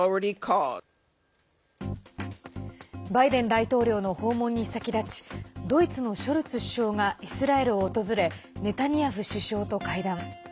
バイデン大統領の訪問に先立ちドイツのショルツ首相がイスラエルを訪れネタニヤフ首相と会談。